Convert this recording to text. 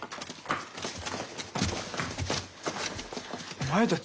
お前たち。